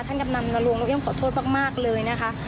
ท่านกำนันนรงค์นกเอี่ยงขอโทษมากมากเลยนะคะ